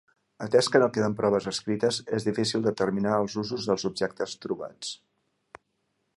Atès que no queden proves escrites, és difícil determinar els usos dels objectes trobats.